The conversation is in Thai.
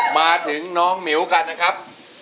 มาถึงน้องหมิวกันนะครับ